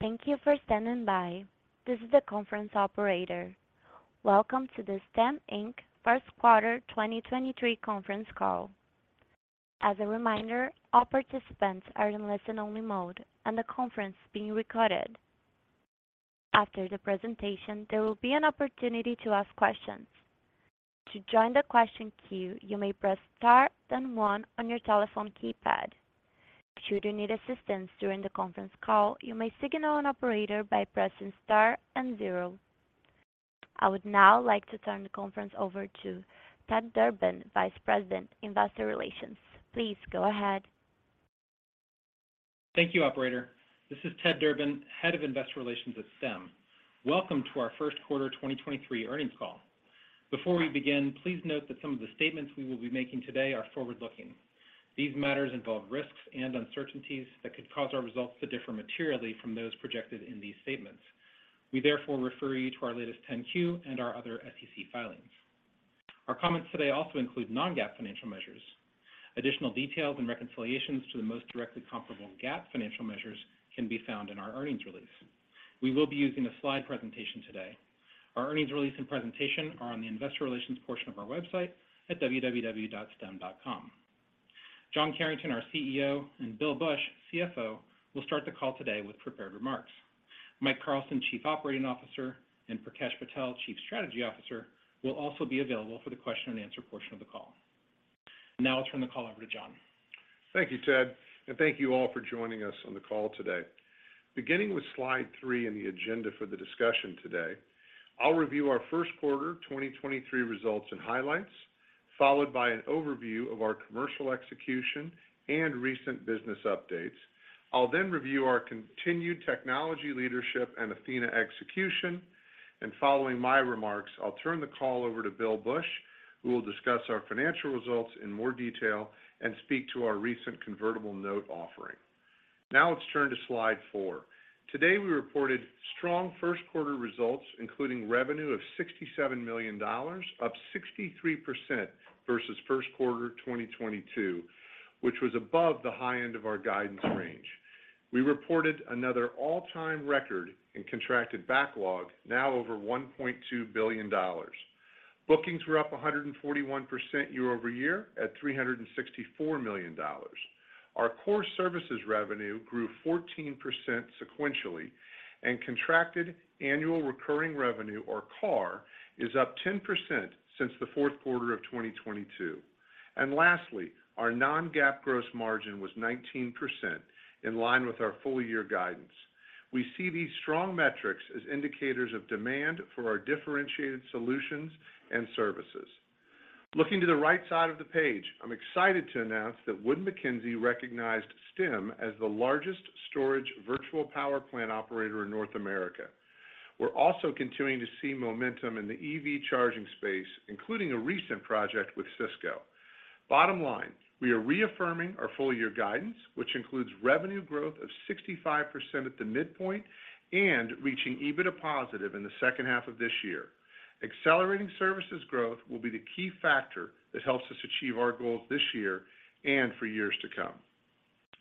Thank you for standing by. This is the conference operator. Welcome to the Stem, Inc. Q1 2023 Conference Call. As a reminder, all participants are in listen only mode and the conference is being recorded. After the presentation, there will be an opportunity to ask questions. To join the question queue, you may press star then one on your telephone keypad. Should you need assistance during the conference call, you may signal an operator by pressing star and zero. I would now like to turn the conference over to Ted Durbin, Vice President, Investor Relations. Please go ahead. Thank you, operator. This is Ted Durbin, Head of Investor Relations at Stem. Welcome to our Q1 2023 earnings call. Before we begin, please note that some of the statements we will be making today are forward-looking. These matters involve risks and uncertainties that could cause our results to differ materially from those projected in these statements. We therefore refer you to our latest 10-Q and our other SEC filings. Our comments today also include non-GAAP financial measures. Additional details and reconciliations to the most directly comparable GAAP financial measures can be found in our earnings release. We will be using a slide presentation today. Our earnings release and presentation are on the investor relations portion of our website at www.stem.com. John Carrington, our CEO, and Bill Bush, CFO, will start the call today with prepared remarks. Mike Carlson, Chief Operating Officer, and Prakash Patel, Chief Strategy Officer, will also be available for the question and answer portion of the call. I'll turn the call over to John. Thank you, Ted. Thank you all for joining us on the call today. Beginning with slide 3 in the agenda for the discussion today, I'll review our Q1 2023 results and highlights, followed by an overview of our commercial execution and recent business updates. I'll review our continued technology leadership and Athena execution. Following my remarks, I'll turn the call over to Bill Bush, who will discuss our financial results in more detail and speak to our recent convertible note offering. Now let's turn to slide 4. Today, we reported strong Q1 results, including revenue of $67 million, up 63% versus Q1 2022, which was above the high end of our guidance range. We reported another all-time record in contracted backlog, now over $1.2 billion. Bookings were up 141% year-over-year at $364 million. Our core services revenue grew 14% sequentially. Contracted annual recurring revenue, or CARR, is up 10% since the Q4 of 2022. Lastly, our non-GAAP gross margin was 19%, in line with our full year guidance. We see these strong metrics as indicators of demand for our differentiated solutions and services. Looking to the right side of the page, I'm excited to announce that Wood Mackenzie recognized Stem as the largest storage virtual power plant operator in North America. We're also continuing to see momentum in the EV charging space, including a recent project with Cisco. Bottom line, we are reaffirming our full year guidance, which includes revenue growth of 65% at the midpoint and reaching EBITDA positive in the second half of this year. Accelerating services growth will be the key factor that helps us achieve our goals this year and for years to come.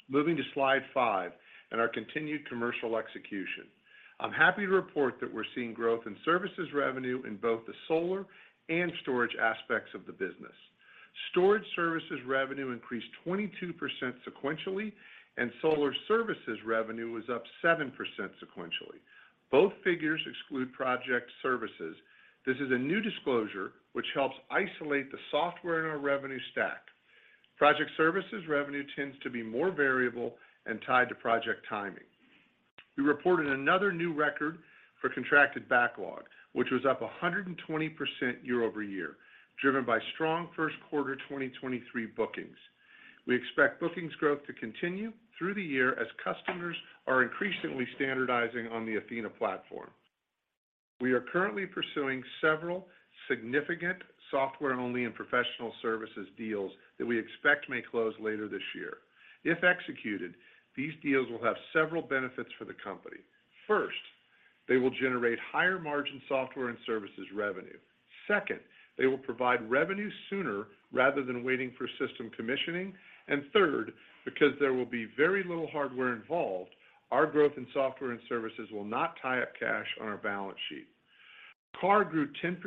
Moving to slide five and our continued commercial execution. I'm happy to report that we're seeing growth in services revenue in both the solar and storage aspects of the business. Storage services revenue increased 22% sequentially, and solar services revenue was up 7% sequentially. Both figures exclude project services. This is a new disclosure, which helps isolate the software in our revenue stack. Project services revenue tends to be more variable and tied to project timing. We reported another new record for contracted backlog, which was up 120% year-over-year, driven by strong Q1 2023 bookings. We expect bookings growth to continue through the year as customers are increasingly standardizing on the Athena platform. We are currently pursuing several significant software only and professional services deals that we expect may close later this year. If executed, these deals will have several benefits for the company. First, they will generate higher margin software and services revenue. Second, they will provide revenue sooner rather than waiting for system commissioning. Third, because there will be very little hardware involved, our growth in software and services will not tie up cash on our balance sheet. CARR grew 10%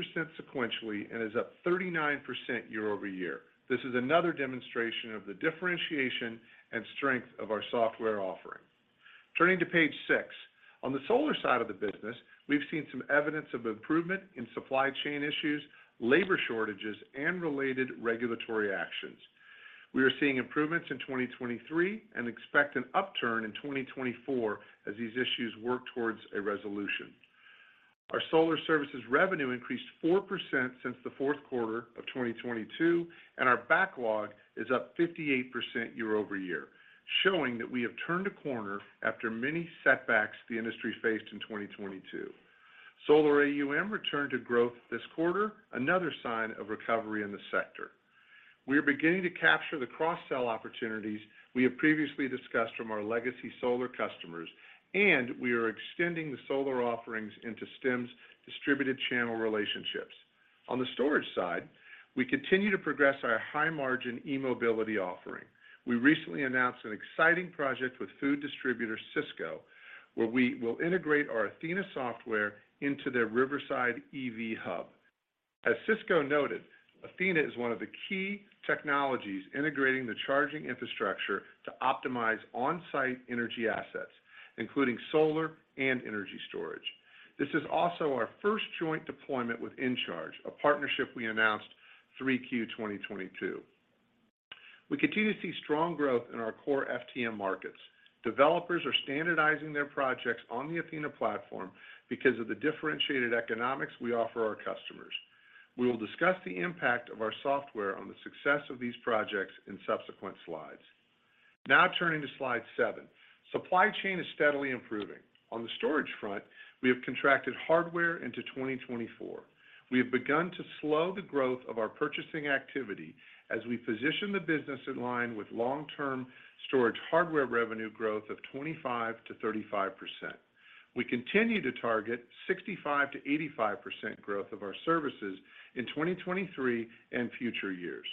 sequentially and is up 39% year-over-year. This is another demonstration of the differentiation and strength of our software offering. Turning to page 6. On the solar side of the business, we've seen some evidence of improvement in supply chain issues, labor shortages, and related regulatory actions. We are seeing improvements in 2023 and expect an upturn in 2024 as these issues work towards a resolution. Our solar services revenue increased 4% since the Q4 of 2022, and our backlog is up 58% year-over-year, showing that we have turned a corner after many setbacks the industry faced in 2022. Solar AUM returned to growth this quarter, another sign of recovery in the sector. We are beginning to capture the cross-sell opportunities we have previously discussed from our legacy solar customers, and we are extending the solar offerings into Stem's distributed channel relationships. On the storage side, we continue to progress our high-margin e-mobility offering. We recently announced an exciting project with food distributor Sysco, where we will integrate our Athena software into their Riverside EV hub. As Sysco noted, Athena is one of the key technologies integrating the charging infrastructure to optimize on-site energy assets, including solar and energy storage. This is also our first joint deployment with InCharge, a partnership we announced 3Q 2022. We continue to see strong growth in our core FTM markets. Developers are standardizing their projects on the Athena platform because of the differentiated economics we offer our customers. We will discuss the impact of our software on the success of these projects in subsequent slides. Turning to slide 7. Supply chain is steadily improving. On the storage front, we have contracted hardware into 2024. We have begun to slow the growth of our purchasing activity as we position the business in line with long-term storage hardware revenue growth of 25%-35%. We continue to target 65%-85% growth of our services in 2023 and future years.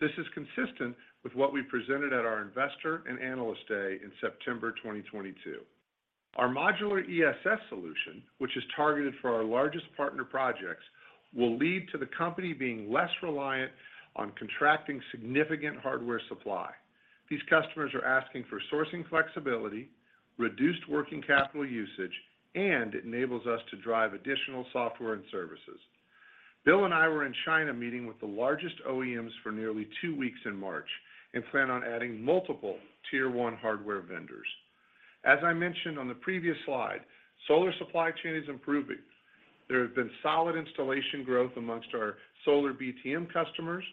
This is consistent with what we presented at our Investor and Analyst Day in September 2022. Our modular ESS solution, which is targeted for our largest partner projects, will lead to the company being less reliant on contracting significant hardware supply. These customers are asking for sourcing flexibility, reduced working capital usage, and enables us to drive additional software and services. Bill and I were in China meeting with the largest OEMs for nearly two weeks in March and plan on adding multiple tier one hardware vendors. As I mentioned on the previous slide, solar supply chain is improving. There has been solid installation growth amongst our solar BTM customers.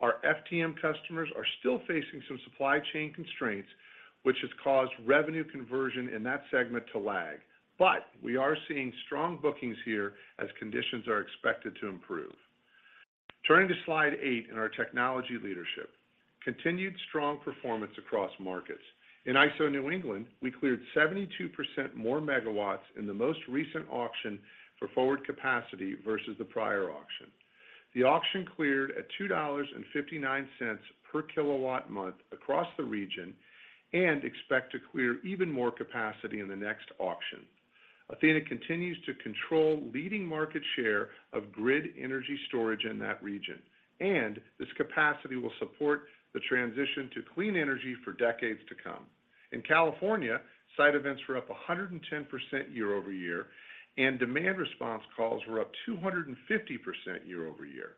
Our FTM customers are still facing some supply chain constraints, which has caused revenue conversion in that segment to lag. We are seeing strong bookings here as conditions are expected to improve. Turning to slide 8 in our technology leadership. Continued strong performance across markets. In ISO New England, we cleared 72% more megawatts in the most recent auction for forward capacity versus the prior auction. The auction cleared at $2.59 per kilowatt month across the region and expect to clear even more capacity in the next auction. Athena continues to control leading market share of grid energy storage in that region, and this capacity will support the transition to clean energy for decades to come. In California, site events were up 110% year-over-year, and demand response calls were up 250% year-over-year.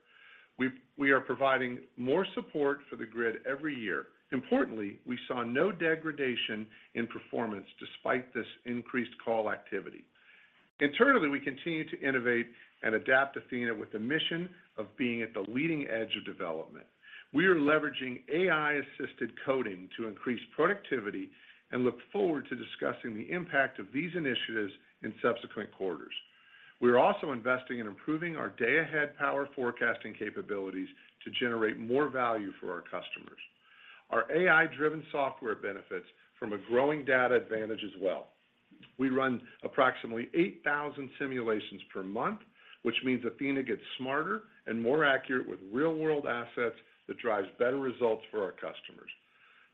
We are providing more support for the grid every year. Importantly, we saw no degradation in performance despite this increased call activity. Internally, we continue to innovate and adapt Athena with the mission of being at the leading edge of development. We are leveraging AI-assisted coding to increase productivity and look forward to discussing the impact of these initiatives in subsequent quarters. We are also investing in improving our day-ahead power forecasting capabilities to generate more value for our customers. Our AI-driven software benefits from a growing data advantage as well. We run approximately 8,000 simulations per month, which means Athena gets smarter and more accurate with real-world assets that drives better results for our customers.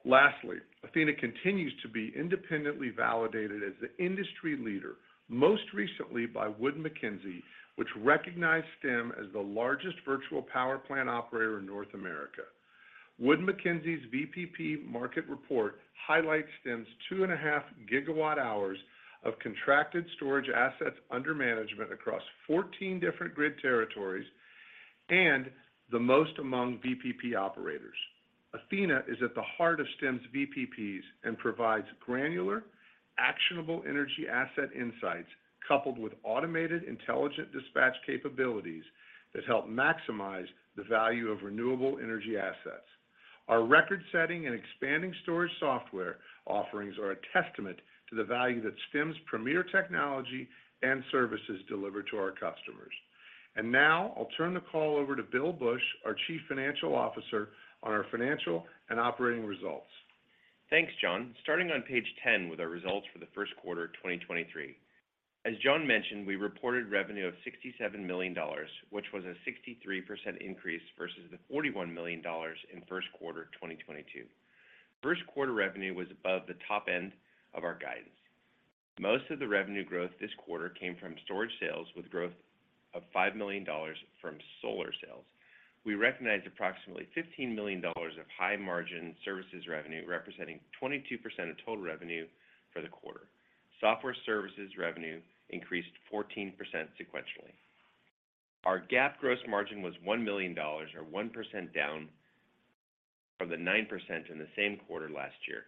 Lastly, Athena continues to be independently validated as the industry leader, most recently by Wood Mackenzie, which recognized Stem as the largest virtual power plant operator in North America. Wood Mackenzie's VPP market report highlights Stem's 2.5 gigawatt hours of contracted storage assets under management across 14 different grid territories and the most among VPP operators. Athena is at the heart of Stem's VPPs and provides granular, actionable energy asset insights coupled with automated intelligent dispatch capabilities that help maximize the value of renewable energy assets. Our record-setting and expanding storage software offerings are a testament to the value that Stem's premier technology and services deliver to our customers. Now I'll turn the call over to Bill Bush, our Chief Financial Officer, on our financial and operating results. Thanks, John. Starting on page 10 with our results for the Q1 of 2023. As John mentioned, we reported revenue of $67 million, which was a 63% increase versus the $41 million in Q1 of 2022. Q1 revenue was above the top end of our guidance. Most of the revenue growth this quarter came from storage sales with growth of $5 million from solar sales. We recognized approximately $15 million of high-margin services revenue, representing 22% of total revenue for the quarter. Software services revenue increased 14% sequentially. Our GAAP gross margin was $1 million or 1% down from the 9% in the same quarter last year.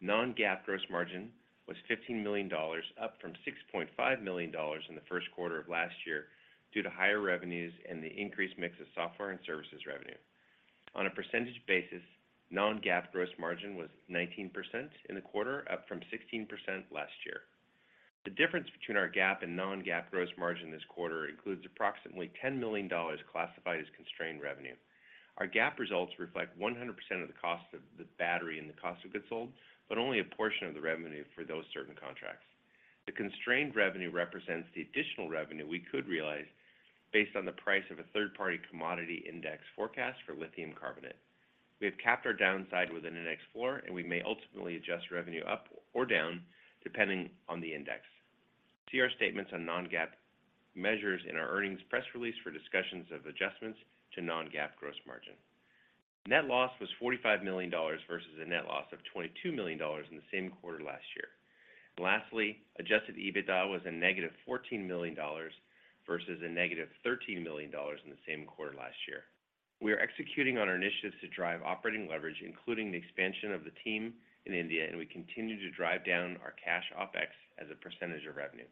Non-GAAP gross margin was $15 million, up from $6.5 million in the Q1 of last year due to higher revenues and the increased mix of software and services revenue. On a percentage basis, non-GAAP gross margin was 19% in the quarter, up from 16% last year. The difference between our GAAP and non-GAAP gross margin this quarter includes approximately $10 million classified as constrained revenue. Our GAAP results reflect 100% of the cost of the battery and the cost of goods sold, but only a portion of the revenue for those certain contracts. The constrained revenue represents the additional revenue we could realize based on the price of a third-party commodity index forecast for lithium carbonate. We have capped our downside with an index floor, and we may ultimately adjust revenue up or down depending on the index. See our statements on non-GAAP measures in our earnings press release for discussions of adjustments to non-GAAP gross margin. Net loss was $45 million versus a net loss of $22 million in the same quarter last year. Lastly, adjusted EBITDA was a negative $14 million versus a negative $13 million in the same quarter last year. We are executing on our initiatives to drive operating leverage, including the expansion of the team in India, and we continue to drive down our cash OpEx as a % of revenue.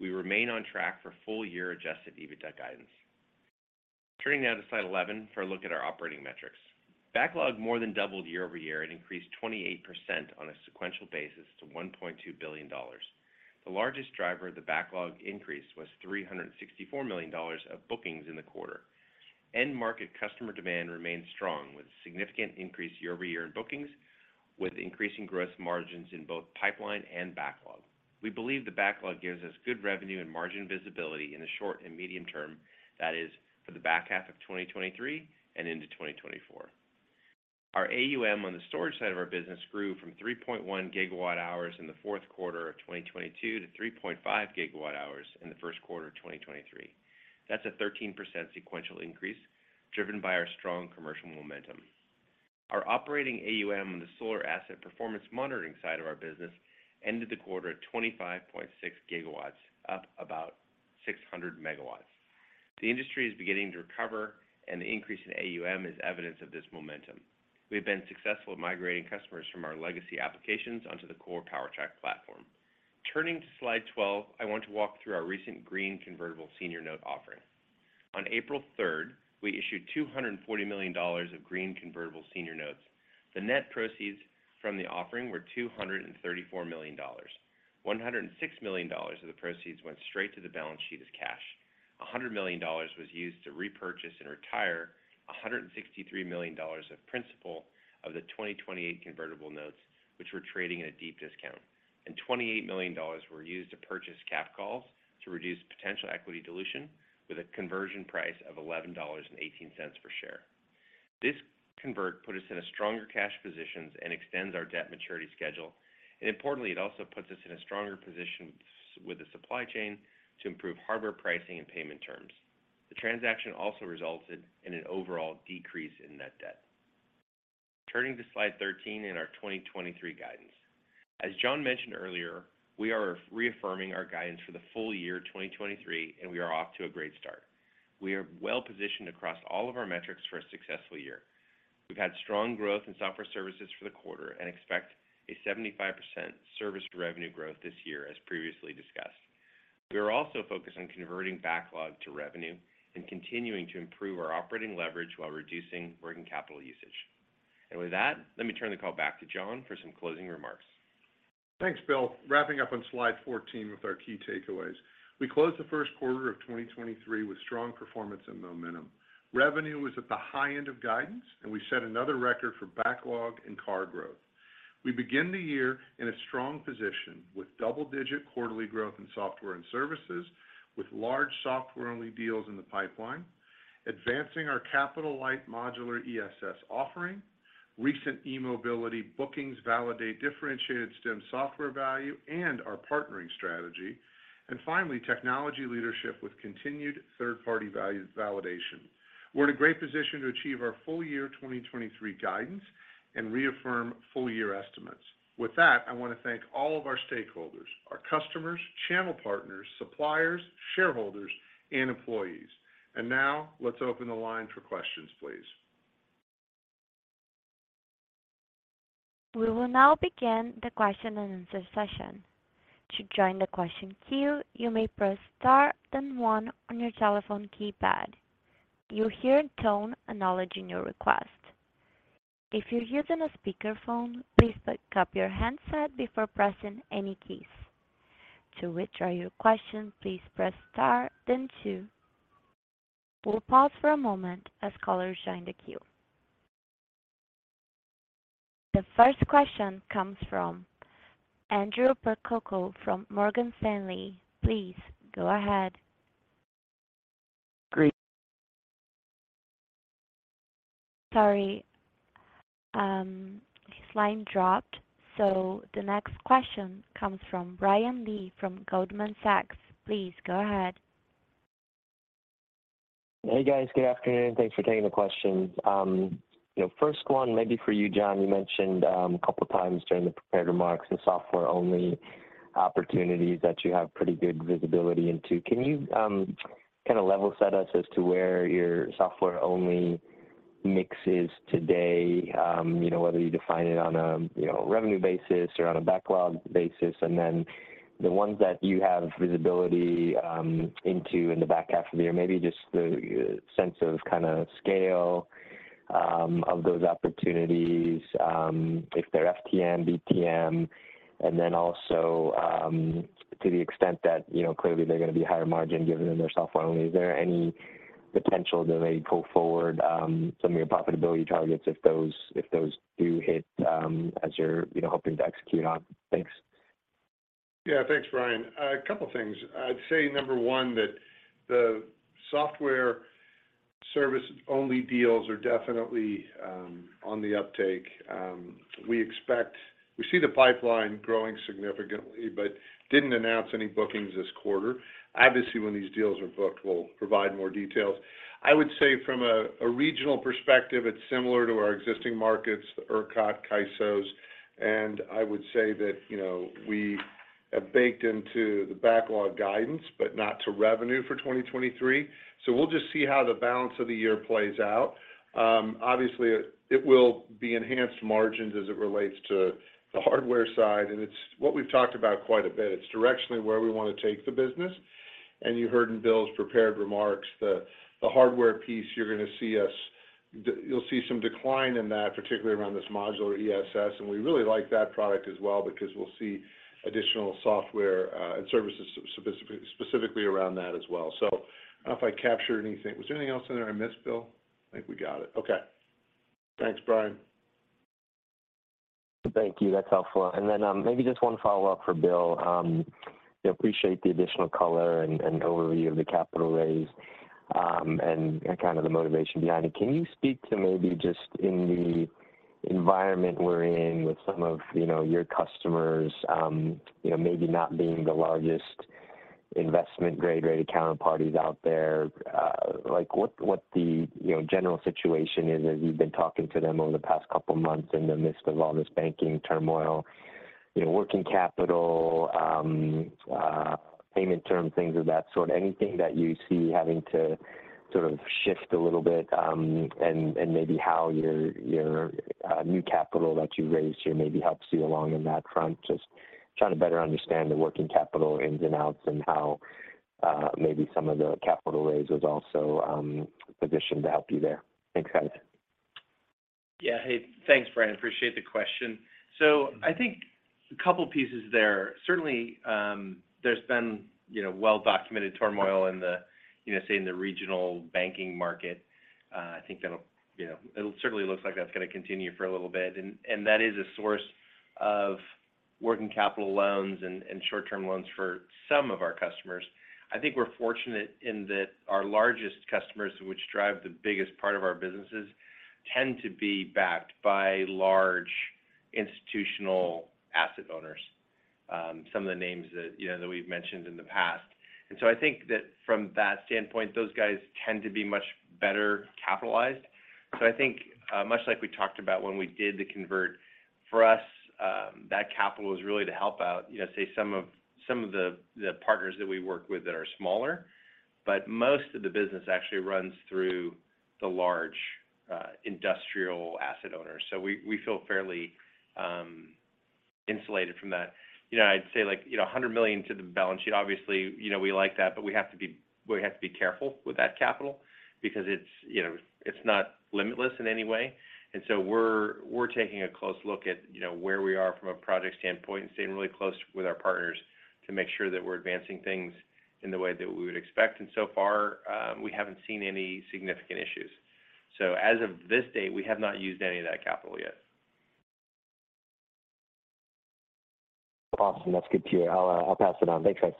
We remain on track for full year adjusted EBITDA guidance. Turning now to slide 11 for a look at our operating metrics. Backlog more than doubled year-over-year and increased 28% on a sequential basis to $1.2 billion. The largest driver of the backlog increase was $364 million of bookings in the quarter. End market customer demand remains strong, with significant increase year-over-year in bookings, with increasing gross margins in both pipeline and backlog. We believe the backlog gives us good revenue and margin visibility in the short and medium term, that is, for the back half of 2023 and into 2024. Our AUM on the storage side of our business grew from 3.1 gigawatt hours in the Q4 of 2022 to 3.5 gigawatt hours in the Q1 of 2023. That's a 13% sequential increase, driven by our strong commercial momentum. Our operating AUM on the solar asset performance monitoring side of our business ended the quarter at 25.6 gigawatts, up about 600 megawatts. The industry is beginning to recover, and the increase in AUM is evidence of this momentum. We have been successful at migrating customers from our legacy applications onto the core PowerTrack platform. Turning to slide 12, I want to walk through our recent green convertible senior note offering. On April 3rd, we issued $240 million of green convertible senior notes. The net proceeds from the offering were $234 million. $106 million of the proceeds went straight to the balance sheet as cash. $100 million was used to repurchase and retire $163 million of principal of the 2028 convertible notes, which were trading at a deep discount. Twenty-eight million dollars were used to purchase capped calls to reduce potential equity dilution with a conversion price of $11.18 per share. This convert put us in a stronger cash positions and extends our debt maturity schedule. Importantly, it also puts us in a stronger position with the supply chain to improve hardware pricing and payment terms. The transaction also resulted in an overall decrease in net debt. Turning to slide 13 in our 2023 guidance. As John mentioned earlier, we are reaffirming our guidance for the full year 2023, and we are off to a great start. We are well-positioned across all of our metrics for a successful year. We've had strong growth in software services for the quarter and expect a 75% service revenue growth this year, as previously discussed. We are also focused on converting backlog to revenue and continuing to improve our operating leverage while reducing working capital usage. With that, let me turn the call back to John for some closing remarks. Thanks, Bill. Wrapping up on slide 14 with our key takeaways. We closed the Q1 of 2023 with strong performance and momentum. Revenue was at the high end of guidance, and we set another record for backlog and CARR growth. We begin the year in a strong position with double-digit quarterly growth in software and services, with large software-only deals in the pipeline, advancing our capital-light modular ESS offering. Recent e-mobility bookings validate differentiated Stem software value and our partnering strategy. Finally, technology leadership with continued third-party validation. We're in a great position to achieve our full year 2023 guidance and reaffirm full year estimates. With that, I want to thank all of our stakeholders, our customers, channel partners, suppliers, shareholders, and employees. Now let's open the line for questions, please. We will now begin the question-and-answer session. To join the question queue, you may press star then one on your telephone keypad. You'll hear a tone acknowledging your request. If you're using a speakerphone, please pick up your handset before pressing any keys. To withdraw your question, please press star then two. We'll pause for a moment as callers join the queue. The first question comes from Andrew Percoco from Morgan Stanley. Please go ahead. Great- Sorry, his line dropped. The next question comes from Brian Lee from Goldman Sachs. Please go ahead. Hey, guys. Good afternoon. Thanks for taking the questions. you know, first one maybe for you, John. You mentioned, a couple of times during the prepared remarks the software-only opportunities that you have pretty good visibility into. Can you, kind of level set us as to where your software-only mix is today? you know, whether you define it on a, you know, revenue basis or on a backlog basis. Then the ones that you have visibility, into in the back half of the year, maybe just the sense of kind of scale, of those opportunities, if they're FTM, BTM. Also, to the extent that, you know, clearly they're going to be higher margin given than they're software-only, is there any potential that may pull forward, some of your profitability targets if those, if those do hit, as you're, you know, hoping to execute on? Thanks. Thanks, Brian. A couple things. I'd say, number 1, that the software service-only deals are definitely on the uptake. We see the pipeline growing significantly, but didn't announce any bookings this quarter. Obviously, when these deals are booked, we'll provide more details. I would say from a regional perspective, it's similar to our existing markets, ERCOT, CAISO, and I would say that, you know, we have baked into the backlog guidance, but not to revenue for 2023. We'll just see how the balance of the year plays out. Obviously, it will be enhanced margins as it relates to the hardware side. It's what we've talked about quite a bit. It's directionally where we want to take the business. You heard in Bill's prepared remarks, the hardware piece, you'll see some decline in that, particularly around this modular ESS. We really like that product as well because we'll see additional software and services specifically around that as well. I don't know if I captured anything. Was there anything else in there I missed, Bill? I think we got it. Okay. Thanks, Brian. Thank you. That's helpful. Maybe just one follow-up for Bill. You know, appreciate the additional color and overview of the capital raise and kind of the motivation behind it. Can you speak to maybe just in the environment we're in with some of, you know, your customers, you know, maybe not being the largest investment-grade rate account parties out there, like what the, you know, general situation is as you've been talking to them over the past couple months in the midst of all this banking turmoil? You know, working capital, payment terms, things of that sort. Anything that you see having to sort of shift a little bit and maybe how your new capital that you raised here maybe helps you along in that front. Just trying to better understand the working capital ins and outs and how maybe some of the capital raise was also positioned to help you there. Thanks, guys. Yeah. Hey, thanks, Brian. Appreciate the question. I think a couple pieces there. Certainly, there's been, you know, well-documented turmoil in the, you know, say in the regional banking market. I think it certainly looks like that's gonna continue for a little bit, and that is a source of working capital loans and short-term loans for some of our customers. I think we're fortunate in that our largest customers, which drive the biggest part of our businesses, tend to be backed by large institutional asset owners, some of the names that, you know, that we've mentioned in the past. I think that from that standpoint, those guys tend to be much better capitalized. I think, much like we talked about when we did the convert, for us, that capital is really to help out, you know, say some of the partners that we work with that are smaller. Most of the business actually runs through the large industrial asset owners. We feel fairly insulated from that. You know, I'd say, like, you know, $100 million to the balance sheet, obviously, you know, we like that, but we have to be careful with that capital because it's, you know, it's not limitless in any way. We're taking a close look at, you know, where we are from a project standpoint and staying really close with our partners to make sure that we're advancing things in the way that we would expect. So far, we haven't seen any significant issues. As of this date, we have not used any of that capital yet. Awesome. That's good to hear. I'll pass it on. Thanks, guys.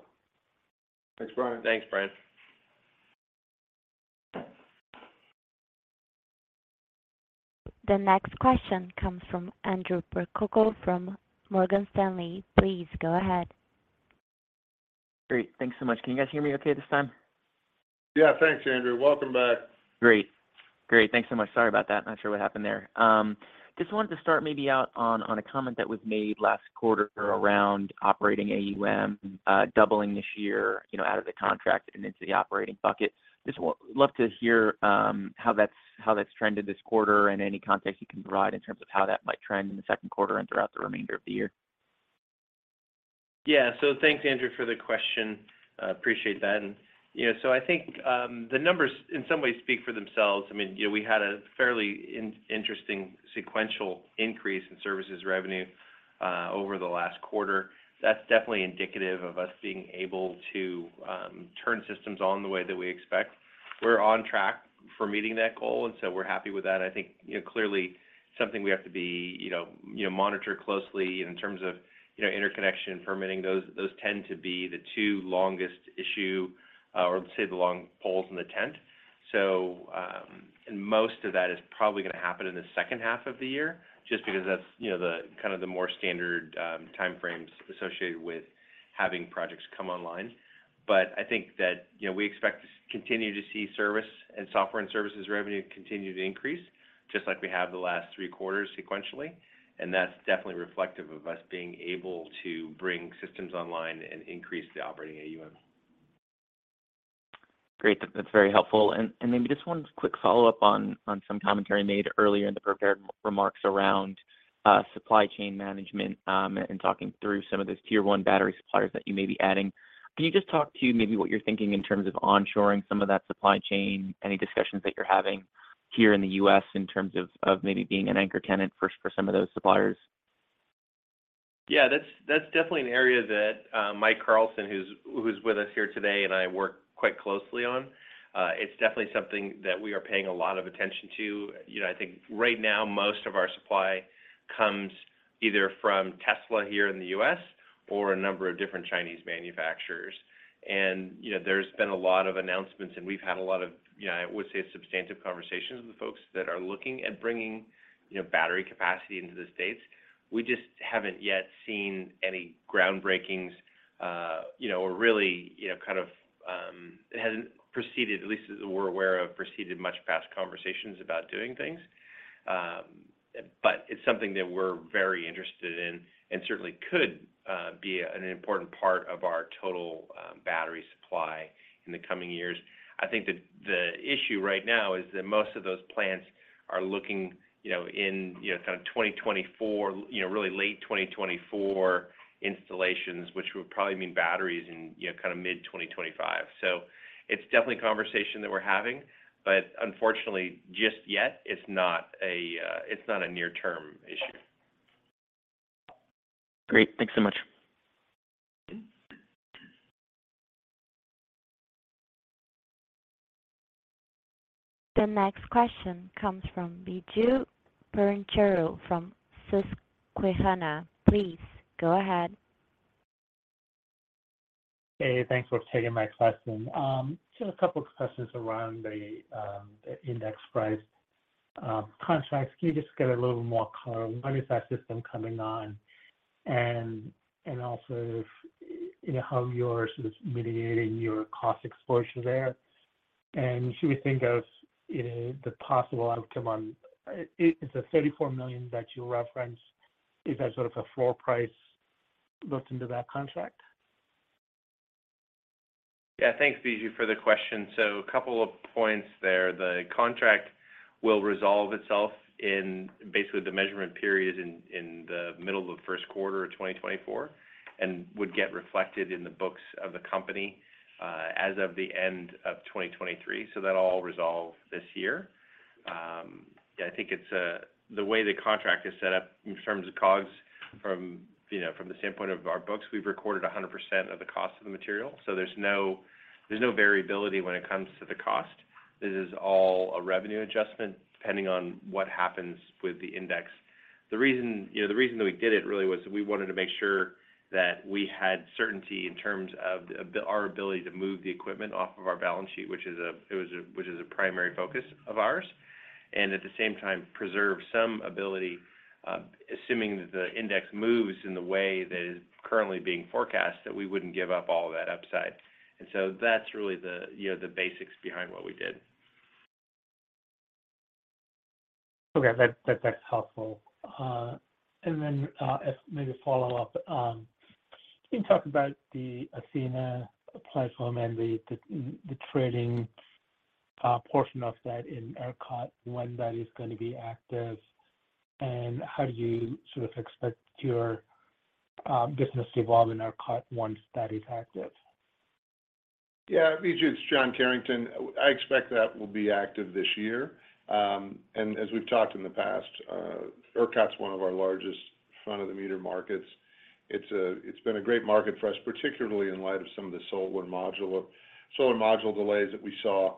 Thanks, Brian. Thanks, Brian. The next question comes from Andrew Percoco from Morgan Stanley. Please go ahead. Great. Thanks so much. Can you guys hear me okay this time? Yeah, thanks, Andrew. Welcome back. Great. Great. Thanks so much. Sorry about that. Not sure what happened there. Just wanted to start maybe out on a comment that was made last quarter around operating AUM doubling this year, you know, out of the contract and into the operating bucket. Love to hear how that's trended this quarter and any context you can provide in terms of how that might trend in the Q2 and throughout the remainder of the year. Thanks, Andrew, for the question. Appreciate that. You know, I think, the numbers in some ways speak for themselves. I mean, you know, we had a fairly interesting sequential increase in services revenue over the last quarter. That's definitely indicative of us being able to turn systems on the way that we expect. We're on track for meeting that goal. We're happy with that. I think, you know, clearly something we have to be, you know, monitor closely in terms of, you know, interconnection, permitting. Those tend to be the two longest issue, or I'd say the long poles in the tent. Most of that is probably gonna happen in the second half of the year just because that's, you know, the kind of the more standard time frames associated with having projects come online. I think that, you know, we expect to continue to see service and software and services revenue continue to increase just like we have the last three quarters sequentially, and that's definitely reflective of us being able to bring systems online and increase the operating AUM. Great. That's very helpful. Maybe just one quick follow-up on some commentary made earlier in the prepared remarks around supply chain management and talking through some of those tier one battery suppliers that you may be adding. Can you just talk to maybe what you're thinking in terms of onshoring some of that supply chain? Any discussions that you're having here in the U.S. in terms of maybe being an anchor tenant for some of those suppliers? Yeah, that's definitely an area that Mike Carlson, who's with us here today and I work quite closely on, it's definitely something that we are paying a lot of attention to. You know, I think right now most of our supply comes either from Tesla here in the U.S. or a number of different Chinese manufacturers. There's been a lot of announcements, and we've had a lot of, you know, I would say substantive conversations with folks that are looking at bringing, you know, battery capacity into the States. We just haven't yet seen any groundbreakings, you know, or really, you know, kind of, it hasn't proceeded, at least as we're aware of, proceeded much past conversations about doing things. It's something that we're very interested in and certainly could be an important part of our total battery supply in the coming years. I think the issue right now is that most of those plants are looking, you know, in, you know, kind of 2024, you know, really late 2024 installations, which would probably mean batteries in, you know, kind of mid-2025. It's definitely a conversation that we're having, but unfortunately, just yet it's not a near-term issue. Great. Thanks so much. The next question comes from Biju Perincheril from Susquehanna. Please go ahead. Hey, thanks for taking my question. Just a couple questions around the index price, contracts. Can you just give a little more color? When is that system coming on? Also if you know how you're sort of mitigating your cost exposure there. Should we think of, you know, the possible outcome on. Is the $34 million that you referenced, is that sort of a floor price built into that contract? Thanks, Biju, for the question. A couple of points there. The contract will resolve itself in basically the measurement period in the middle of the Q1 of 2024, and would get reflected in the books of the company as of the end of 2023. That'll all resolve this year. Yeah, I think it's the way the contract is set up in terms of COGS from, you know, from the standpoint of our books, we've recorded 100% of the cost of the material, so there's no variability when it comes to the cost. This is all a revenue adjustment depending on what happens with the index. The reason, you know, the reason that we did it really was we wanted to make sure that we had certainty in terms of the, our ability to move the equipment off of our balance sheet, which is a primary focus of ours. At the same time preserve some ability, assuming that the index moves in the way that is currently being forecast, that we wouldn't give up all that upside. That's really the, you know, the basics behind what we did. Okay. That's helpful. As maybe a follow-up, can you talk about the Athena platform and the trading portion of that in ERCOT, when that is gonna be active, and how do you sort of expect your business to evolve in ERCOT once that is active? Yeah. Biju, it's John Carrington. I expect that will be active this year. As we've talked in the past, ERCOT's one of our largest front-of-the-meter markets. It's been a great market for us, particularly in light of some of the solar module delays that we saw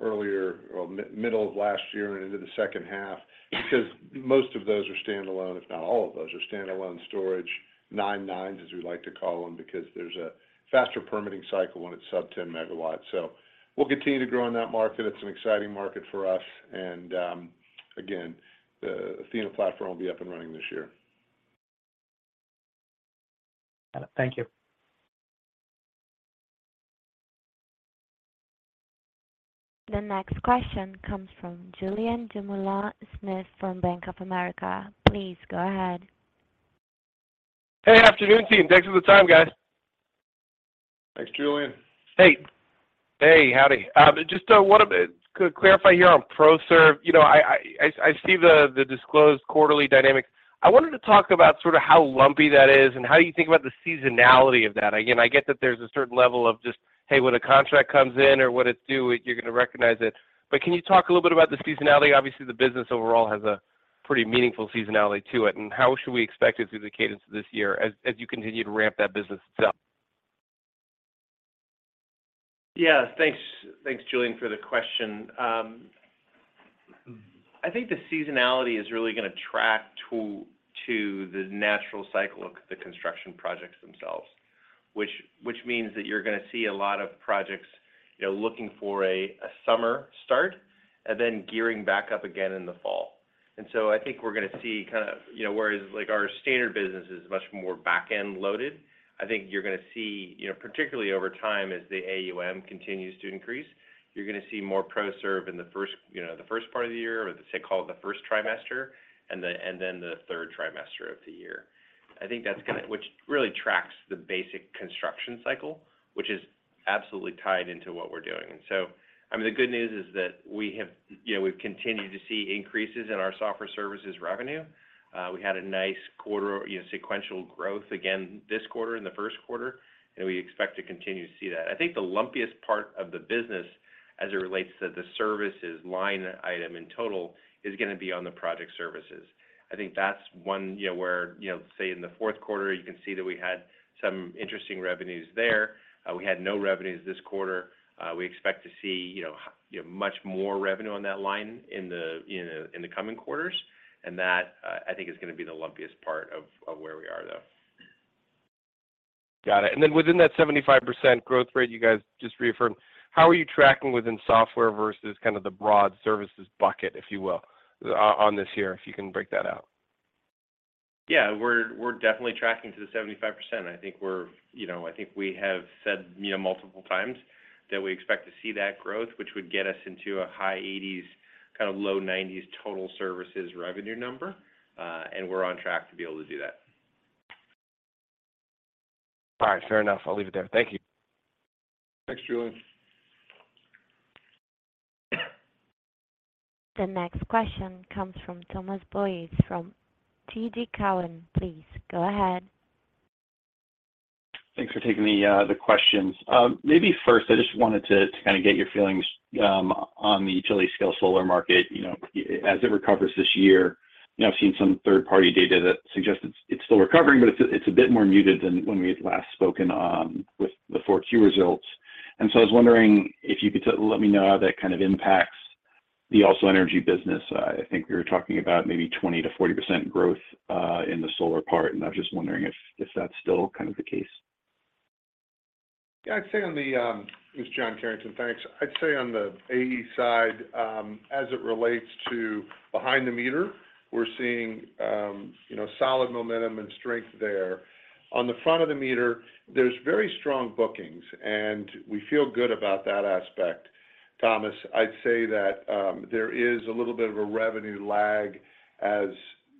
earlier or middle of last year and into the second half because most of those are standalone, if not all of those are standalone storage, nine nines as we like to call them, because there's a faster permitting cycle when it's sub 10 megawatts. We'll continue to grow in that market. It's an exciting market for us. Again, the Athena platform will be up and running this year. Got it. Thank you. The next question comes from Julien Dumoulin-Smith from Bank of America. Please go ahead. Hey, afternoon team. Thanks for the time, guys. Thanks, Julien. Hey. Hey. Howdy. Just wanna clarify here on ProServe. You know, I see the disclosed quarterly dynamics. I wanted to talk about sort of how lumpy that is and how you think about the seasonality of that. Again, I get that there's a certain level of just, hey, when a contract comes in or when it's due, you're gonna recognize it. Can you talk a little bit about the seasonality? Obviously, the business overall has a pretty meaningful seasonality to it, and how should we expect it through the cadence of this year as you continue to ramp that business itself? Yeah. Thanks, Julien for the question. I think the seasonality is really gonna track to the natural cycle of the construction projects themselves, which means that you're gonna see a lot of projects, you know, looking for a summer start and then gearing back up again in the fall. I think we're gonna see kind of, you know, whereas like our standard business is much more back-end loaded, I think you're gonna see, you know, particularly over time as the AUM continues to increase, you're gonna see more ProServe in the first part of the year or let's say, call it the first trimester and then the third trimester of the year. Which really tracks the basic construction cycle, which is absolutely tied into what we're doing. I mean, the good news is that we have, you know, we've continued to see increases in our software services revenue. We had a nice quarter, you know, sequential growth again this quarter in the Q1, we expect to continue to see that. I think the lumpiest part of the business as it relates to the services line item in total is gonna be on the project services. I think that's one, you know, where, you know, say in the Q4, you can see that we had some interesting revenues there. We had no revenues this quarter. We expect to see, you know, much more revenue on that line in the coming quarters. That, I think, is gonna be the lumpiest part of where we are, though. Got it. Then within that 75% growth rate you guys just reaffirmed, how are you tracking within software versus kind of the broad services bucket, if you will, on this here, if you can break that out? Yeah. We're definitely tracking to the 75%. I think we're, you know, I think we have said, you know, multiple times that we expect to see that growth, which would get us into a high 80s, kind of low 90s total services revenue number. We're on track to be able to do that. All right, fair enough. I'll leave it there. Thank you. Thanks, Julien. The next question comes from Thomas Boyes from TD Cowen. Please go ahead. Thanks for taking the questions. Maybe first, I just wanted to kind of get your feelings on the utility scale solar market, you know, as it recovers this year. You know, I've seen some third-party data that suggests it's still recovering, but it's a bit more muted than when we had last spoken with the fourth-quarter results. I was wondering if you could let me know how that kind of impacts the AlsoEnergy business. I think we were talking about maybe 20%-40% growth in the solar part, and I was just wondering if that's still kind of the case. Yeah. I'd say on the. This is John Carrington. Thanks. I'd say on the AE side, as it relates to behind the meter, we're seeing, you know, solid momentum and strength there. On the front of the meter, there's very strong bookings, and we feel good about that aspect, Thomas. I'd say that there is a little bit of a revenue lag as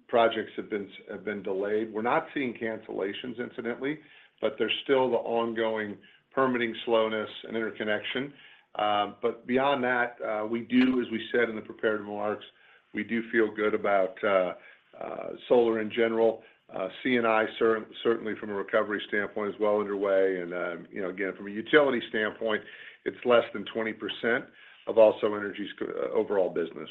projects have been delayed. We're not seeing cancellations, incidentally, but there's still the ongoing permitting slowness and interconnection. Beyond that, we do, as we said in the prepared remarks, we do feel good about solar in general. C&I certainly from a recovery standpoint is well underway and, you know, again, from a utility standpoint, it's less than 20% of AlsoEnergy's overall business.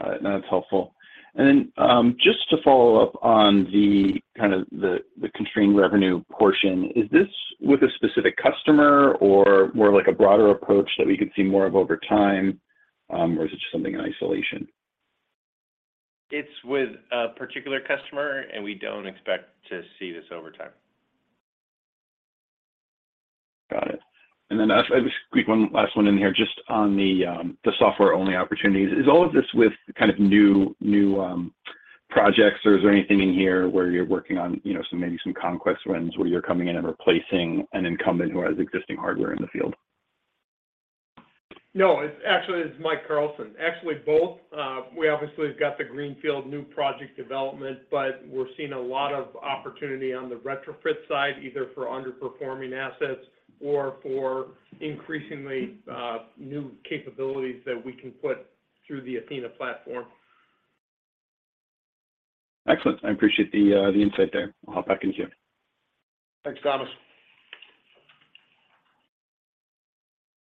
All right. That's helpful. Just to follow up on the kind of the constrained revenue portion. Is this with a specific customer or more like a broader approach that we could see more of over time, or is it just something in isolation? It's with a particular customer, and we don't expect to see this over time. Got it. I'll just squeak one last one in here just on the software-only opportunities. Is all of this with kind of new projects, or is there anything in here where you're working on, you know, some maybe some conquest wins where you're coming in and replacing an incumbent who has existing hardware in the field? No. Actually, it's Michael Carlson. Actually, both. We obviously have got the greenfield new project development, we're seeing a lot of opportunity on the retrofit side, either for underperforming assets or for increasingly new capabilities that we can put through the Athena platform. Excellent. I appreciate the insight there. I'll hop back in queue. Thanks, Thomas.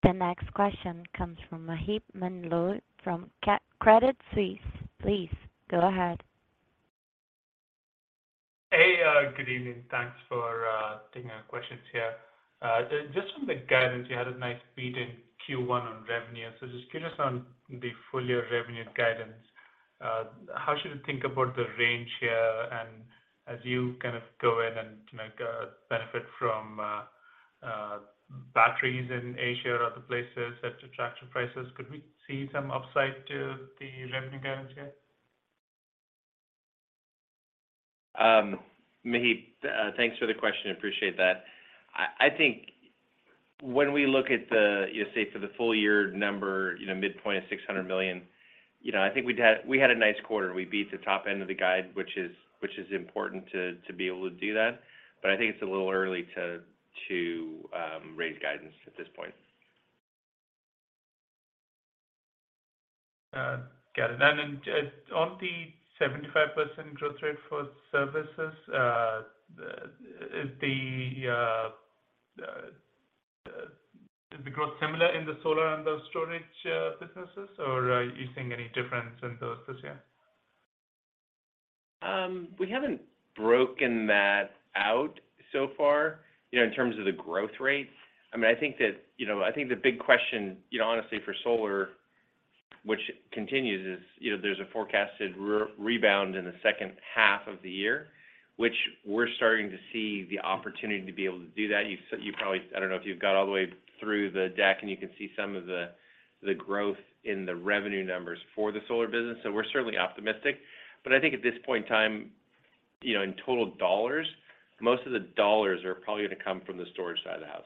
The next question comes from Maheep Mandloi from Credit Suisse. Please go ahead. Hey, good evening. Thanks for taking our questions here. Just from the guidance, you had a nice beat in Q1 on revenue. Just curious on the full-year revenue guidance. How should we think about the range here and as you kind of go in and, you know, benefit from batteries in Asia or other places at attractive prices, could we see some upside to the revenue guidance here? Maheep, thanks for the question. Appreciate that. I think when we look at the say for the full year number, midpoint of $600 million, I think we had a nice quarter. We beat the top end of the guide, which is important to be able to do that. I think it's a little early to raise guidance at this point. Got it. On the 75% growth rate for services, is the growth similar in the solar and the storage businesses, or are you seeing any difference in those this year? We haven't broken that out so far, you know, in terms of the growth rates. I mean, I think that, you know, I think the big question, you know, honestly for solar, which continues, is, you know, there's a forecasted re-rebound in the second half of the year, which we're starting to see the opportunity to be able to do that. You've probably. I don't know if you've got all the way through the deck, and you can see some of the growth in the revenue numbers for the solar business. We're certainly optimistic. I think at this point in time, you know, in total dollars, most of the dollars are probably gonna come from the storage side of the house.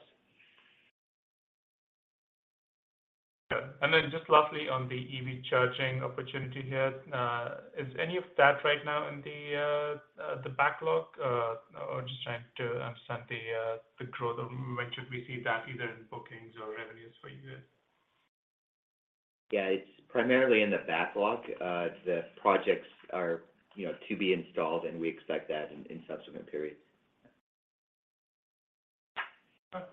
Yeah. Then just lastly, on the EV charging opportunity here. Is any of that right now in the backlog? I'm just trying to understand the growth, or when should we see that either in bookings or revenues for you guys? Yeah. It's primarily in the backlog. The projects are, you know, to be installed, we expect that in subsequent periods. Thanks.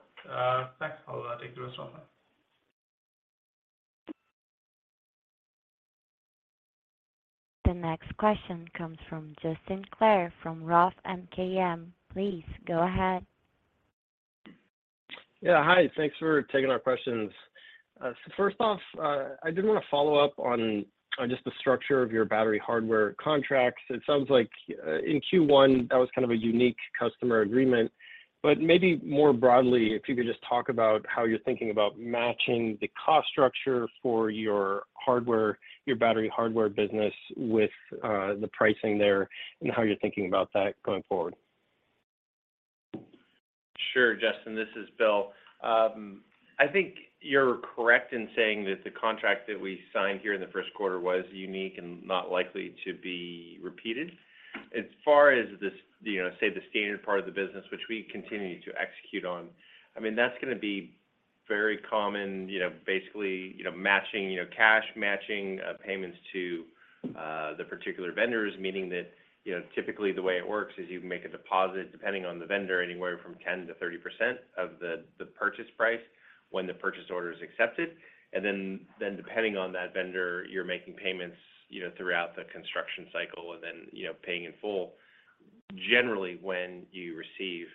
I'll take the rest offline. The next question comes from Justin Clare from Roth MKM. Please go ahead. Yeah, hi. Thanks for taking our questions. First off, I did want to follow up on just the structure of your battery hardware contracts. It sounds like in Q1 that was kind of a unique customer agreement, but maybe more broadly, if you could just talk about how you're thinking about matching the cost structure for your hardware, your battery hardware business with the pricing there and how you're thinking about that going forward. Sure, Justin, this is Bill. I think you're correct in saying that the contract that we signed here in the Q1 was unique and not likely to be repeated. As far as this, you know, say the standard part of the business, which we continue to execute on, I mean, that's gonna be very common, you know, basically, you know, matching, you know, cash matching payments to the particular vendors. Meaning that, you know, typically the way it works is you make a deposit, depending on the vendor, anywhere from 10% to 30% of the purchase price when the purchase order is accepted. Then depending on that vendor, you're making payments, you know, throughout the construction cycle and then, you know, paying in full generally when you receive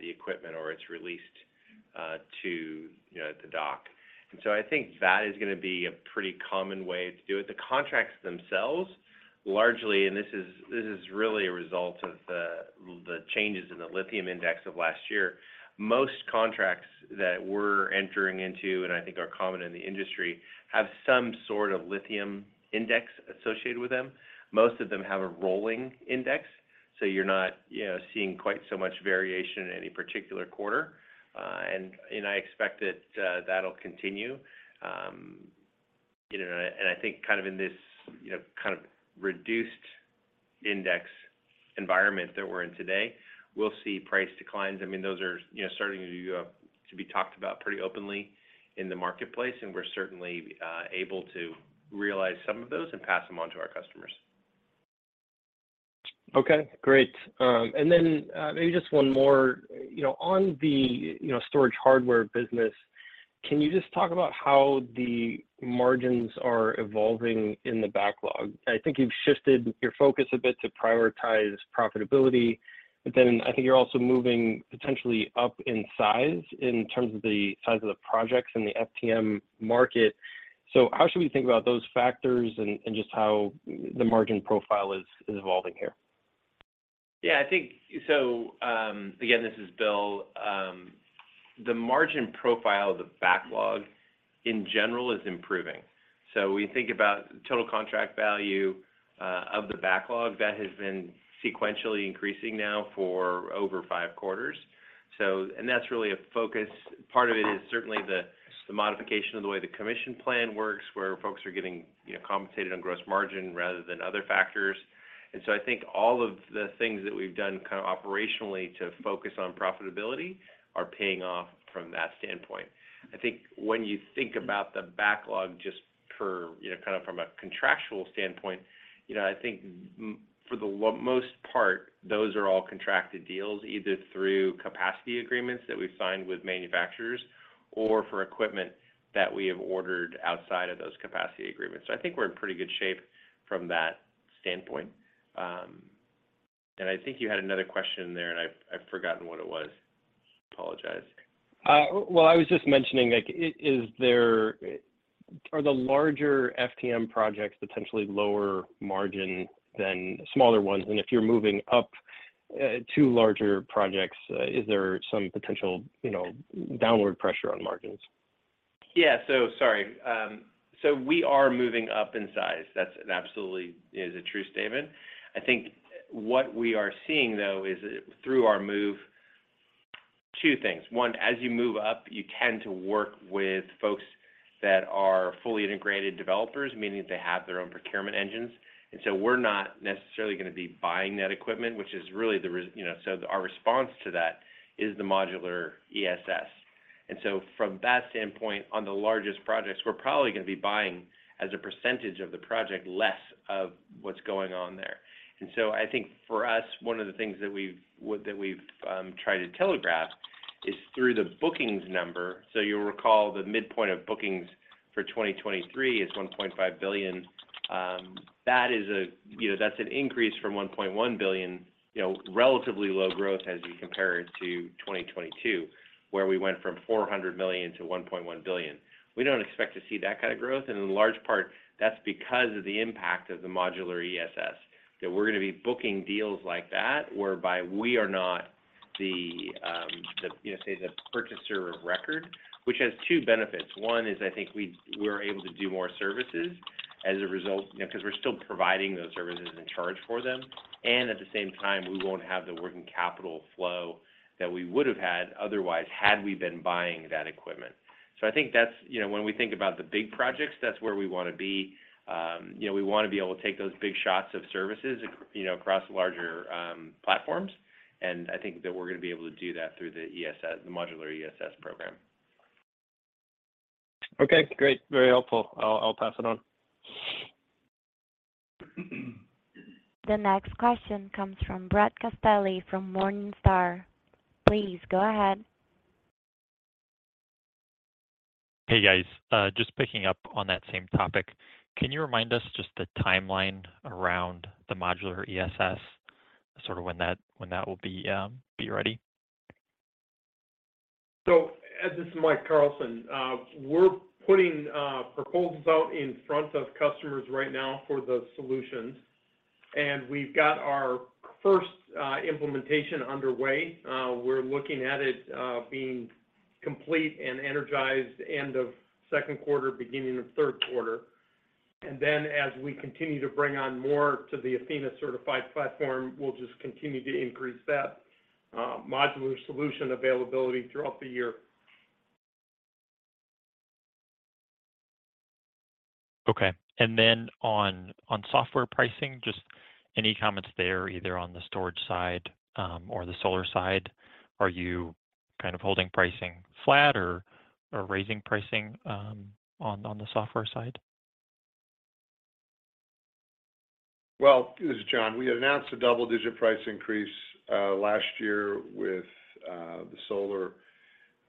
the equipment or it's released to, you know, the dock. I think that is gonna be a pretty common way to do it. The contracts themselves largely, and this is really a result of the changes in the lithium index of last year. Most contracts that we're entering into, and I think are common in the industry, have some sort of lithium index associated with them. Most of them have a rolling index, so you're not, you know, seeing quite so much variation in any particular quarter. I expect that'll continue. You know, and I think kind of in this, you know, kind of reduced index environment that we're in today, we'll see price declines. I mean, those are, you know, starting to be talked about pretty openly in the marketplace, and we're certainly able to realize some of those and pass them on to our customers. Okay, great. Maybe just one more. You know, on the storage hardware business, can you just talk about how the margins are evolving in the backlog? I think you've shifted your focus a bit to prioritize profitability, but then I think you're also moving potentially up in size in terms of the size of the projects in the FTM market. How should we think about those factors and just how the margin profile is evolving here? I think. Again, this is Bill. The margin profile of the backlog in general is improving. When you think about total contract value of the backlog, that has been sequentially increasing now for over 5 quarters. That's really a focus. Part of it is certainly the modification of the way the commission plan works, where folks are getting, you know, compensated on gross margin rather than other factors. I think all of the things that we've done kind of operationally to focus on profitability are paying off from that standpoint. I think when you think about the backlog just per, you know, kind of from a contractual standpoint, you know, I think for the most part, those are all contracted deals, either through capacity agreements that we've signed with manufacturers or for equipment that we have ordered outside of those capacity agreements. I think we're in pretty good shape from that standpoint. I think you had another question in there, and I've forgotten what it was. Apologize. Well, I was just mentioning, like, Are the larger FTM projects potentially lower margin than smaller ones? If you're moving up, to larger projects, is there some potential, you know, downward pressure on margins? Sorry. We are moving up in size. That's an absolutely, is a true statement. I think what we are seeing, though, is through our move, two things. One, as you move up, you tend to work with folks that are fully integrated developers, meaning that they have their own procurement engines. We're not necessarily gonna be buying that equipment, which is really You know, our response to that is the modular ESS. From that standpoint, on the largest projects, we're probably gonna be buying as a percentage of the project less of what's going on there. I think for us, one of the things that we've that we've tried to telegraph is through the bookings number. You'll recall the midpoint of bookings for 2023 is $1.5 billion. That is a, you know, that's an increase from $1.1 billion, you know, relatively low growth as you compare it to 2022, where we went from $400 to $1.1 billion. We don't expect to see that kind of growth, and in large part, that's because of the impact of the modular ESS, that we're gonna be booking deals like that whereby we are not the, you know, say the purchaser of record, which has two benefits. One is I think we're able to do more services as a result, you know, 'cause we're still providing those services and charge for them. At the same time, we won't have the working capital flow that we would have had otherwise had we been buying that equipment. I think that's, you know, when we think about the big projects, that's where we wanna be. You know, we wanna be able to take those big shots of services across larger platforms, and I think that we're gonna be able to do that through the ESS, the modular ESS program. Okay, great. Very helpful. I'll pass it on. The next question comes from Brett Castelli from Morningstar. Please go ahead. Hey, guys. Just picking up on that same topic. Can you remind us just the timeline around the modular ESS, sort of when that will be ready? Ed, this is Michael Carlson. We're putting proposals out in front of customers right now for those solutions. We've got our first implementation underway. We're looking at it being complete and energized end of Q2, beginning of Q3. As we continue to bring on more to the Athena-certified platform, we'll just continue to increase that modular solution availability throughout the year. Okay. On software pricing, just any comments there, either on the storage side, or the solar side? Are you kind of holding pricing flat or raising pricing, on the software side? Well, this is John. We had announced a double-digit price increase, last year with the solar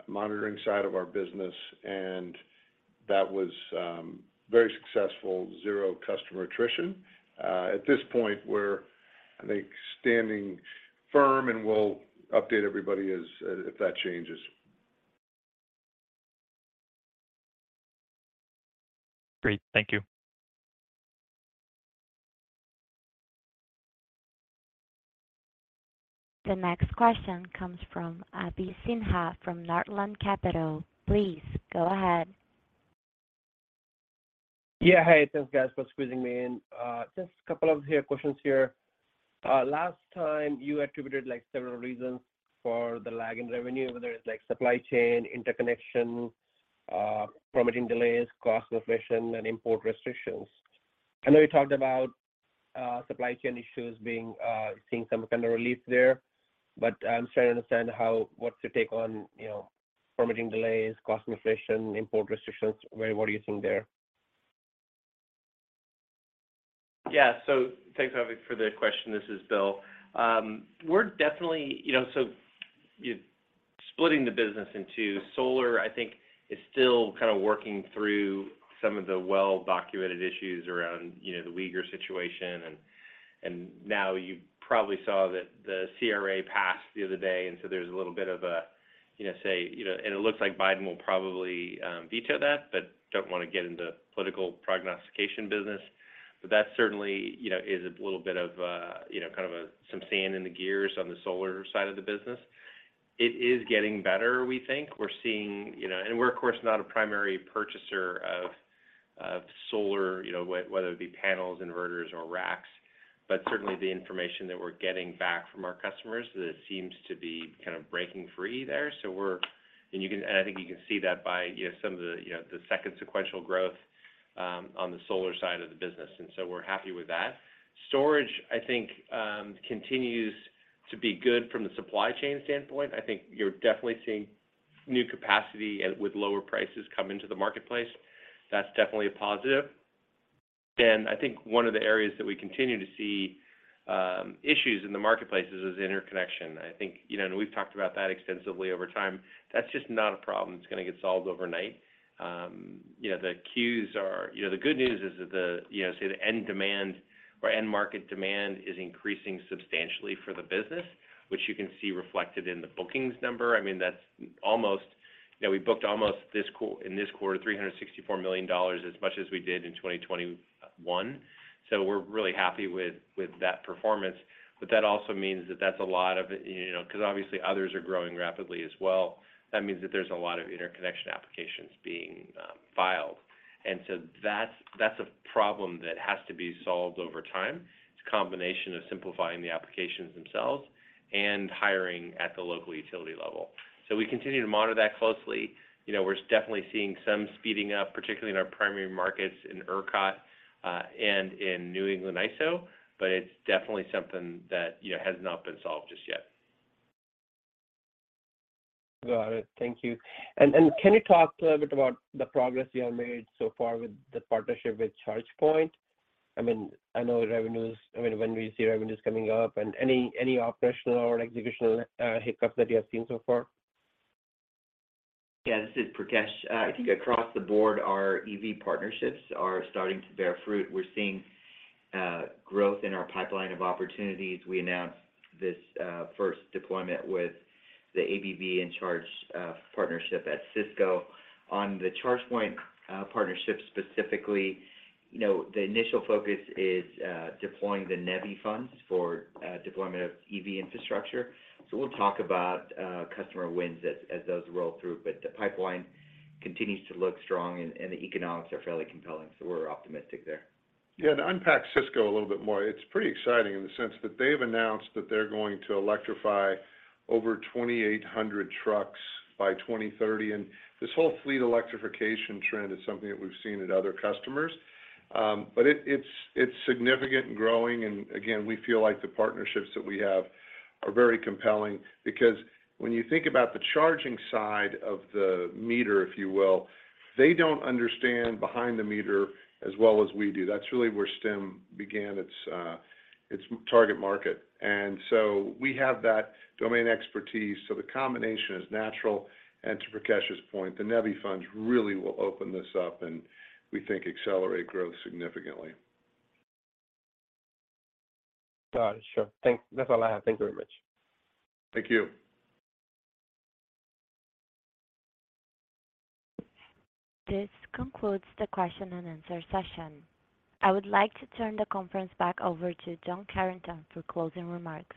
monitoring side of our business, and that was very successful. Zero customer attrition. At this point, we're, I think, standing firm, and we'll update everybody as if that changes. Great. Thank you. The next question comes from Abhi Sinha from Northland Capital. Please go ahead. Hey, thanks guys for squeezing me in. Just a couple of questions here. Last time you attributed, like, several reasons for the lag in revenue, whether it's, like, supply chain, interconnection, permitting delays, cost inflation, and import restrictions. I know you talked about supply chain issues being seeing some kind of relief there, but I'm trying to understand what's your take on, you know, permitting delays, cost inflation, import restrictions. What are you seeing there? Thanks, Abhi, for the question. This is Bill. We're definitely... You know, splitting the business into solar, I think, is still kind of working through some of the well-documented issues around, you know, the Uyghur situation. Now you probably saw that the CRA passed the other day, there's a little bit of a, you know... It looks like Biden will probably veto that, don't wanna get into political prognostication business. That certainly, you know, is a little bit of, you know, kind of a, some sand in the gears on the solar side of the business. It is getting better, we think. We're seeing, you know... We're of course not a primary purchaser of solar, you know, whether it be panels, inverters, or racks. Certainly the information that we're getting back from our customers that it seems to be kind of breaking free there, so you can see that by, you know, some of the, you know, the second sequential growth on the solar side of the business, and so we're happy with that. Storage, I think, continues to be good from the supply chain standpoint. I think you're definitely seeing new capacity and with lower prices come into the marketplace. That's definitely a positive. I think one of the areas that we continue to see issues in the marketplace is interconnection. I think, you know, and we've talked about that extensively over time. That's just not a problem that's gonna get solved overnight. You know, the queues are... You know, the good news is that the, you know, say the end demand or end market demand is increasing substantially for the business, which you can see reflected in the bookings number. I mean, that's almost, you know, we booked almost in this quarter, $364 million, as much as we did in 2021. We're really happy with that performance. That also means that that's a lot of, you know, 'cause obviously others are growing rapidly as well. That means that there's a lot of interconnection applications being filed. That's a problem that has to be solved over time. It's a combination of simplifying the applications themselves and hiring at the local utility level. We continue to monitor that closely. You know, we're definitely seeing some speeding up, particularly in our primary markets in ERCOT, and in New England ISO, but it's definitely something that, you know, has not been solved just yet. Got it. Thank you. Can you talk a little bit about the progress you have made so far with the partnership with ChargePoint? I mean, I know revenues, I mean, when we see revenues coming up, and any operational or executional hiccups that you have seen so far? This is Prakash. I think across the board our EV partnerships are starting to bear fruit. We're seeing growth in our pipeline of opportunities. We announced this first deployment with the ABB in charge partnership at Cisco. On the ChargePoint partnership specifically, you know, the initial focus is deploying the NEVI funds for deployment of EV infrastructure. We'll talk about customer wins as those roll through. The pipeline continues to look strong and the economics are fairly compelling. We're optimistic there. To unpack Sysco a little bit more, it's pretty exciting in the sense that they've announced that they're going to electrify over 2,800 trucks by 2030. This whole fleet electrification trend is something that we've seen at other customers. but it's significant and growing. Again, we feel like the partnerships that we have are very compelling. When you think about the charging side of the meter, if you will, they don't understand behind the meter as well as we do. That's really where Stem began its target market. We have that domain expertise. The combination is natural. To Prakash's point, the NEVI funds really will open this up. We think accelerate growth significantly. Got it. Sure. That's all I have. Thank you very much. Thank you. This concludes the question and answer session. I would like to turn the conference back over to John Carrington for closing remarks.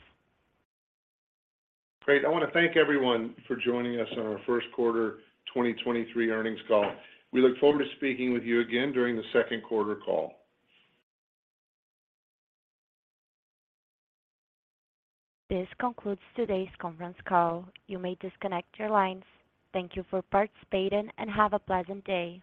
Great. I wanna thank everyone for joining us on our Q1 2023 earnings call. We look forward to speaking with you again during the Q2 call. This concludes today's conference call. You may disconnect your lines. Thank you for participating, and have a pleasant day.